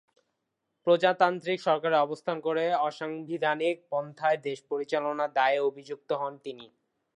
প্রজাতান্ত্রিক সরকারে অবস্থান করে অসাংবিধানিক পন্থায় দেশ পরিচালনার দায়ে অভিযুক্ত হন তিনি।